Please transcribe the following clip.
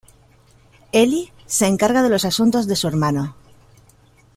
Eli se encarga de los asuntos de su hermano.